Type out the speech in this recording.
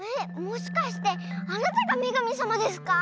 もしかしてあなたがめがみさまですか？